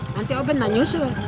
nanti obet menyusul